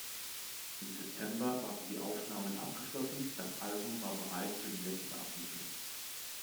Im September waren die Aufnahmen abgeschlossen, das Album war bereit für die letzte Abmischung.